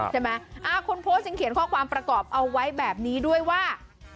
ใช่ไหมคนโพสต์ยังเขียนข้อความประกอบเอาไว้แบบนี้ด้วยว่า